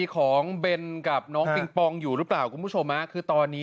ของเบนกับน้องปิงปองอยู่หรือเปล่าคุณผู้ชมคือตอนนี้